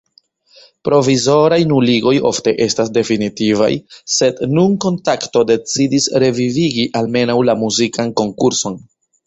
Provizoraj nuligoj ofte estas definitivaj, sed nun Kontakto decidis revivigi almenaŭ la muzikan konkurson.